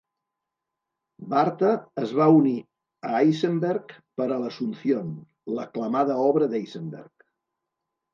Bartha es va unir a Eisenberg per a l'Asunción, l'aclamada obra d'Eisenberg.